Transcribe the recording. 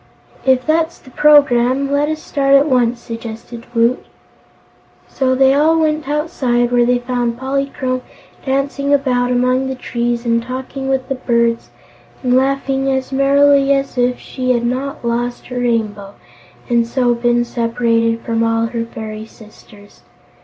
"If that's the programme, let us start at once," suggested Woot. So they all went outside, where they found Polychrome dancing about among the trees and talking with the birds and laughing as merrily as if she had not lost her Rainbow and so been separated from all her fairy sisters.